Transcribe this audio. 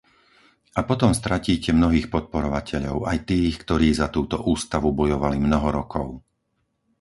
A potom stratíte mnohých podporovateľov, aj tých, ktorí za túto ústavu bojovali mnoho rokov.